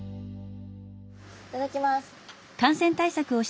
いただきます。